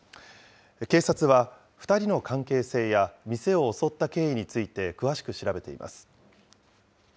警察は、２人の関係性や店を襲った経緯について詳しく調べています。